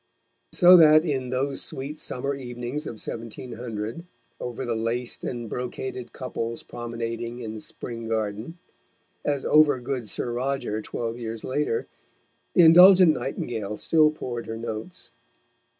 So that in those sweet summer evenings of 1700, over the laced and brocaded couples promenading in Spring Garden, as over good Sir Roger twelve years later, the indulgent nightingale still poured her notes.